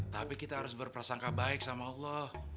tapi kita harus berprasangka baik sama allah